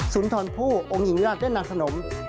นทรผู้องค์หญิงราชและนางสนม